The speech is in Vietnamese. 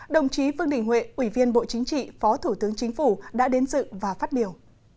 đồng chí vương đình huệ ủy viên bộ chính trị phó thủ tướng chính phủ đã đến dự và phát biểu